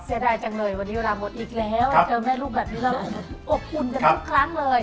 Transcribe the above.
เสียดายจังเลยวันนี้เวลาหมดอีกแล้วเจอแม่ลูกแบบนี้แล้วอบอุ่นกันทุกครั้งเลย